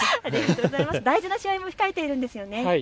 大事な試合も控えているんですよね。